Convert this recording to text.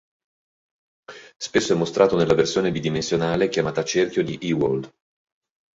Spesso è mostrato nella versione bidimensionale chiamata cerchio di Ewald.